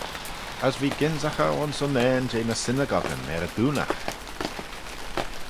As v'eh gynsaghey ayns unnane jeh ny synagogueyn er y doonaght.